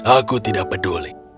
aku tidak peduli